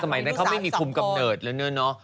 อ๋อสมัยนั้นเขาไม่มีคุมกับเนิร์ดเลยเนอะ